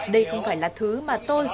đây không phải là thứ mà chúng tôi cần